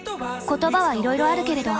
言葉はいろいろあるけれど。